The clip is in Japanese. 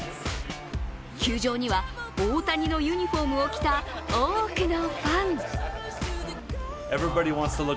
球場には大谷のユニフォームを着た多くのファン。